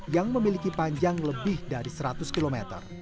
yang memiliki panjang lebih dari seratus km